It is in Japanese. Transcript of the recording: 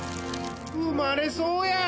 生まれそうや！